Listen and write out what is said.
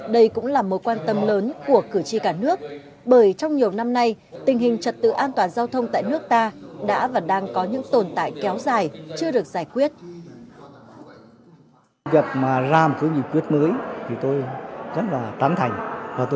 đây cũng là mối quan tâm lớn của cử tri cả nước bởi trong nhiều năm nay tình hình trật tự an toàn giao thông tại nước ta đã và đang có những tồn tại kéo dài chưa được giải quyết